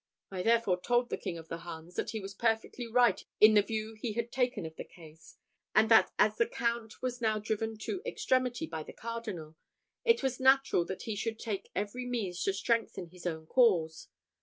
I therefore told the King of the Huns that he was perfectly right in the view he had taken of the case; and that as the Count was now driven to extremity by the Cardinal, it was natural that he should take every means to strengthen his own cause.